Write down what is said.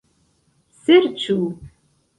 serĉu